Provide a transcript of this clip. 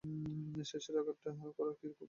শেষের আঘাতটা করার কি খুব দরকার ছিলো?